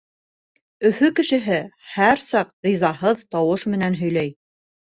Өфө кешеһе һәр саҡ ризаһыҙ тауыш менән һөйләй.